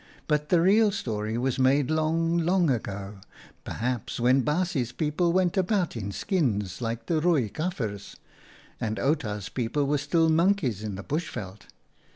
But the real story was made long, long ago, perhaps when baasje's people went about in skins like the Rooi Kafirs, and Outa's people were still monkeys in the bushveld.